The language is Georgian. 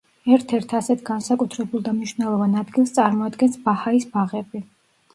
ერთ-ერთ ასეთ განსაკუთრებულ და მნიშვნელოვან ადგილს წარმოადგენს ბაჰაის ბაღები.